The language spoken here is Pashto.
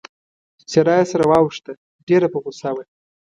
څېره يې سره واوښته، ډېره په غوسه وه.